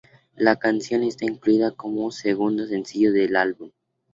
La canción esta incluida como segundo sencillo del álbum.